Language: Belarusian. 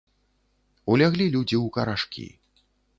Уляглі людзі ў карашкі.